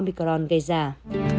cảm ơn các bạn đã theo dõi và hẹn gặp lại